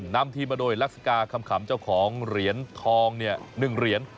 นำทีมมาโดยลักษณะคำขำเจ้าของเหรียญทอง๑เหรียญ